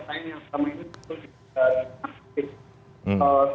karena besok ada proses toksi kedua